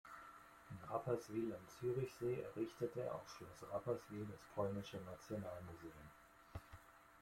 In Rapperswil am Zürichsee errichtete er auf Schloss Rapperswil das polnische Nationalmuseum.